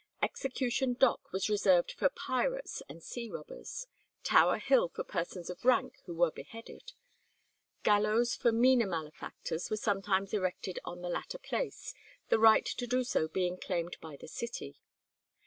Execution Dock was reserved for pirates and sea robbers, Tower Hill for persons of rank who were beheaded. Gallows for meaner malefactors were sometimes erected on the latter place, the right to do so being claimed by the city.